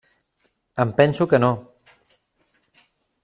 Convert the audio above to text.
Em penso que no.